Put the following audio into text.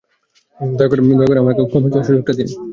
দয়া করে আমাকে ক্ষমা চাওয়ার সুযোগটা দিন!